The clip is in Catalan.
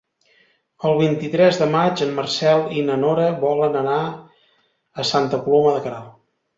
El vint-i-tres de maig en Marcel i na Nora volen anar a Santa Coloma de Queralt.